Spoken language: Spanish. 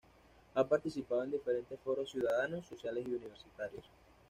Ha participado en diferentes foros ciudadanos, sociales y universitarios.